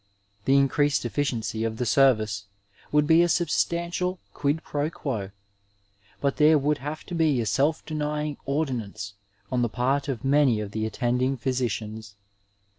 The increased effi ciency of the service would be a substantial quid pro juo, but there would have to be a self denying ordinance on the part of many of the attending physicians.